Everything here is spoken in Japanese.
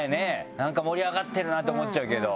盛り上がってるなって思っちゃうけど。